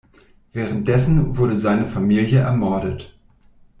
Währenddessen wurde seine Familie ermordet.